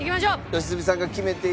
良純さん